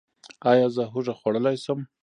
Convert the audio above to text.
ایا زه هوږه خوړلی شم؟